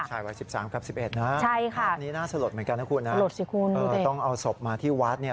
ชายวัย๑๓กับ๑๑นะภาพนี้น่าสลดเหมือนกันนะคุณนะต้องเอาศพมาที่วัดเนี่ย